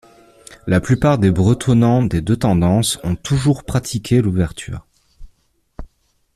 La plupart des bretonnants des deux tendances ont toujours pratiqué l'ouverture.